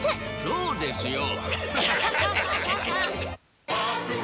そうですよ。